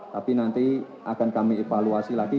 tapi nanti akan kami evaluasi lagi